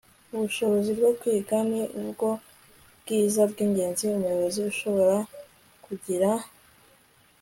ubushobozi bwo kwiga ni bwo bwiza bw'ingenzi umuyobozi ashobora kugira. - sheryl sandberg